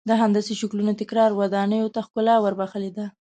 د هندسي شکلونو تکرار ودانیو ته ښکلا ور بخښلې ده.